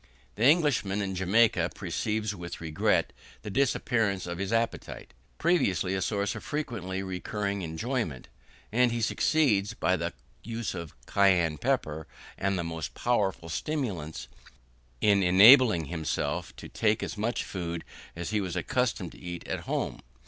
The Englishman in Jamaica perceives with regret the disappearance of his appetite, previously a source of frequently recurring enjoyment; and he succeeds, by the use of cayenne pepper, and the most powerful stimulants, in enabling himself to take as much food as he was accustomed to eat at home.